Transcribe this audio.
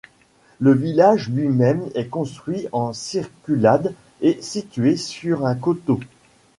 Le village lui-même est construit en circulade et situé sur un coteau.